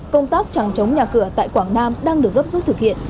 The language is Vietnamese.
công tác chẳng chống nhà cửa tại quảng nam đang được gấp rút thực hiện